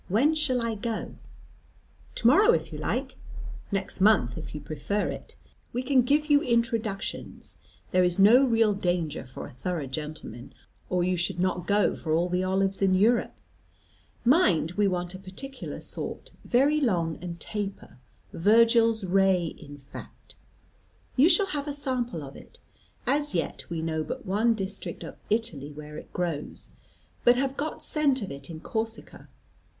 When shall I go?" "To morrow, if you like. Next month if you prefer it. We can give you introductions. There is no real danger for a thorough gentleman, or you should not go for all the olives in Europe. Mind we want a particular sort, very long and taper Virgil's 'Ray,' in fact. You shall have a sample of it. As yet we know but one district of Italy where it grows, but have got scent of it in Corsica.